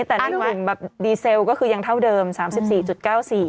แต่ในวันแบบดีเซลก็คือยังเท่าเดิม๓๔๙๔